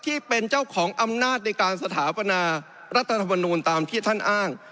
ที่เป็นเจ้าของอำนาจในการสถาปนารัฐธรรมนูลตามที่ท่านอ้าง